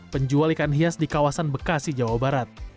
penjual ikan hias di kawasan bekasi jawa barat